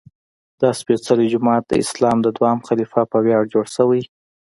دا سپېڅلی جومات د اسلام د دویم خلیفه په ویاړ جوړ شوی.